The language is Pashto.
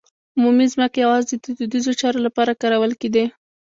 عمومي ځمکې یوازې د دودیزو چارو لپاره کارول کېدې.